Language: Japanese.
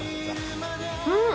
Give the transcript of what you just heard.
うん！